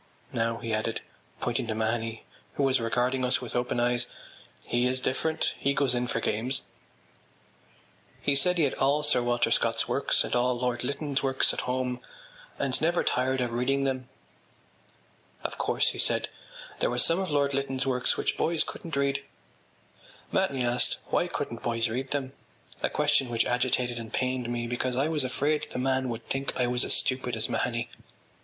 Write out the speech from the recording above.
Now,” he added, pointing to Mahony who was regarding us with open eyes, “he is different; he goes in for games.” He said he had all Sir Walter Scott’s works and all Lord Lytton’s works at home and never tired of reading them. “Of course,” he said, “there were some of Lord Lytton’s works which boys couldn’t read.” Mahony asked why couldn’t boys read them—a question which agitated and pained me because I was afraid the man would think I was as stupid as Mahony.